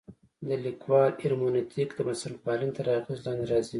د لیکوال هرمنوتیک د بنسټپالنې تر اغېز لاندې راځي.